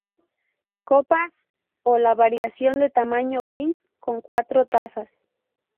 Copas o la variación de tamaño king con cuatro tazas.